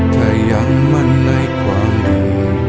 ถ้ายังมั่นในความดี